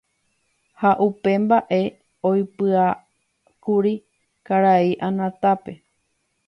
ha upe mba'e oipy'apýkuri karai Anatápe.